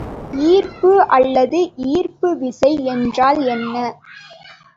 ஈர்ப்பு அல்லது ஈர்ப்பு விசை என்றால் என்ன?